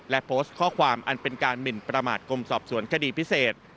และโพสต์ข้อความอันเป็นการหมินประมาทกรมสอบสวนคดีพิเศษ